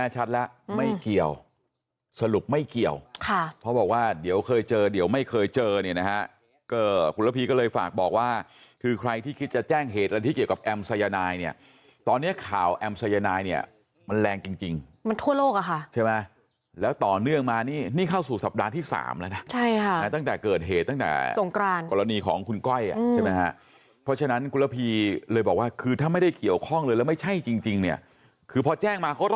ชัดแล้วไม่เกี่ยวสรุปไม่เกี่ยวเพราะบอกว่าเดี๋ยวเคยเจอเดี๋ยวไม่เคยเจอเนี่ยนะฮะก็คุณระพีก็เลยฝากบอกว่าคือใครที่คิดจะแจ้งเหตุอะไรที่เกี่ยวกับแอมสายนายเนี่ยตอนนี้ข่าวแอมสายนายเนี่ยมันแรงจริงมันทั่วโลกอะค่ะใช่ไหมแล้วต่อเนื่องมานี่นี่เข้าสู่สัปดาห์ที่๓แล้วนะใช่ค่ะตั้งแต่เกิดเหต